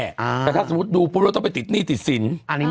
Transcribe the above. แต่ถ้าสมมุติดูปุ๊บเราต้องไปติดหนี้ติดสิน